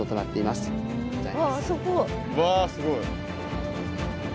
わすごい。